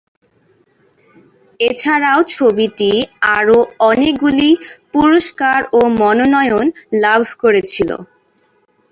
এছাড়াও ছবিটি আরও অনেকগুলি পুরস্কার ও মনোনয়ন লাভ করেছিল।